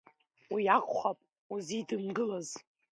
Уи акәхап узидымгылаз.